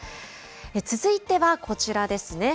続いてはこちらですね。